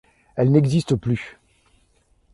Elle n'existe plus.